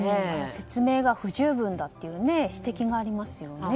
説明が不十分だという指摘がありますね。